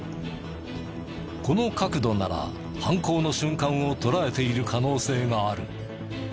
この角度なら犯行の瞬間を捉えている可能性がある。